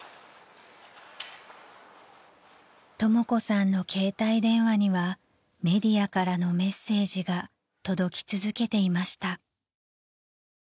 ［とも子さんの携帯電話にはメディアからのメッセージが届き続けていました］